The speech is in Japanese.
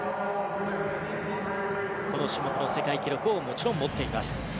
この種目の世界記録をもちろん、持っています。